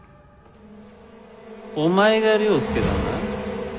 お前が了助だな？